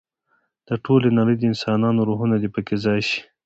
د ټولې نړۍ د انسانانو روحونه دې په کې ځای شي.